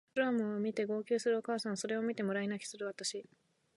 ドラマを見て号泣するお母さんそれを見てもらい泣きする私